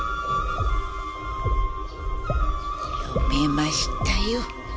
読めましたよ